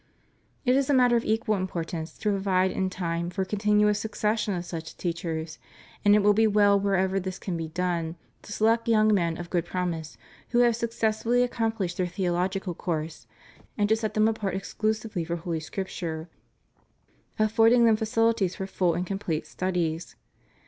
It is a matter of equal importance to provide in time for a continuous succession of such teachers ; and it will be well, wherever this can be done, to select young men of good promise who have successfully accompUshed their theo logical course, and to set them apart exclusively for Hol}^ Scripture, affording them facilities for full and complete studies.